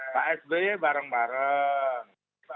pak sby bareng bareng